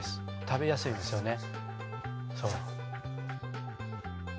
食べやすいんですよね